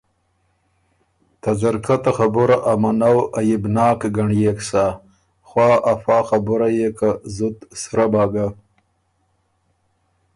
ته ځرکۀ ته خبُره ا منؤ عئبناک ګنړيېک سَۀ خوا افا خبُره يې که زُت سرۀ بَۀ ګۀ۔